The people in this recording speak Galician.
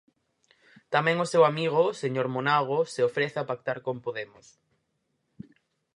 Tamén o seu amigo, o señor Monago, se ofrece a pactar con Podemos.